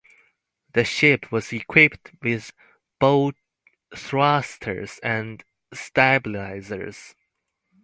The ship was equipped with bow thrusters and stabilizers.